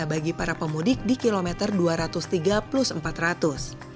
bagi para pemudik di kilometer dua ratus tiga plus empat ratus